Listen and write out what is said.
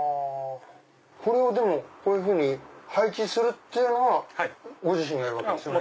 これをこういうふうに配置するのはご自身がやるわけですよね？